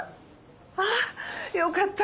ああよかった。